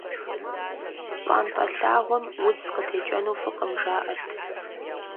ПщӀантӀэ лъагъуэм удз къытекӀэну фӀыкъым, жаӀэрт.